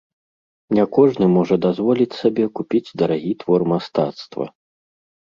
Не кожны можа дазволіць сабе купіць дарагі твор мастацтва.